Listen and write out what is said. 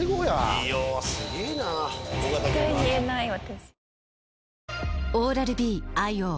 絶対言えない私。